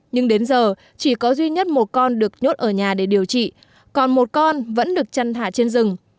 nhưng đến giờ chỉ có duy nhất một con được nhốt ở nhà để điều trị còn một con vẫn được chăn thả trên rừng